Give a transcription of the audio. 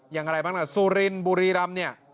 อย่างอะไรบ้างนะซุรินบุรีรัมเนี่ย